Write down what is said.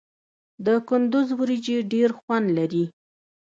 د کندز وریجې ډیر خوند لري.